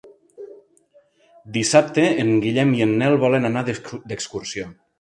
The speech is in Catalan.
Dissabte en Guillem i en Nel volen anar d'excursió.